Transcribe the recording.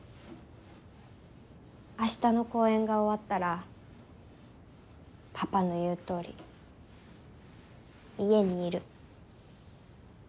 明日の公演が終わったらパパの言うとおり家にいる。